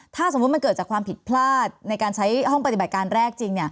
ถ้าสมมุติมันเกิดจากความผิดพลาดในการใช้ห้องปฏิบัติการแรกจริง